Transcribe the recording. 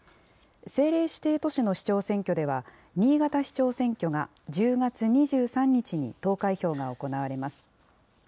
政令指定都市の市長選挙では、新潟市長選挙が１０月２３日に投開票が行われます。